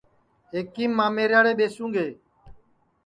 ایکیم مامیریاڑے ٻیسوں گے